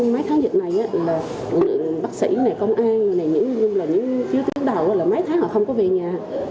mấy tháng dịch này bác sĩ công an những chiếu tiến đầu là mấy tháng họ không có về nhà